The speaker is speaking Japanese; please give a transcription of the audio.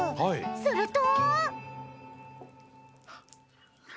すると。